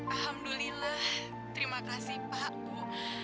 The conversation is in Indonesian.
alhamdulillah terima kasih pak bu